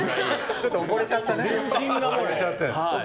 ちょっとおぼれちゃってね。